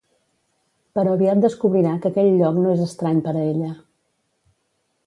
Però aviat descobrirà que aquell lloc no és estrany per a ella.